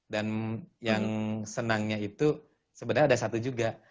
dan yang senangnya itu sebenarnya ada satu juga